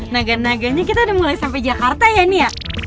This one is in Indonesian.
naga naganya kita udah mulai sampe jakarta ya nia